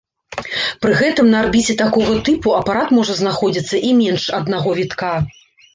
Пры гэтым на арбіце такога тыпу апарат можа знаходзіцца і менш аднаго вітка.